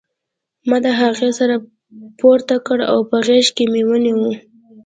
ما د هغې سر پورته کړ او په غېږ کې مې ونیو